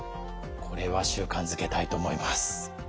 これは習慣づけたいと思います。